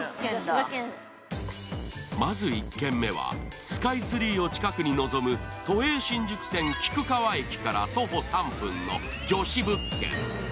まず１軒目はスカイツリーを近くにのぞむ都営新宿線菊川駅から徒歩３分の女子物件。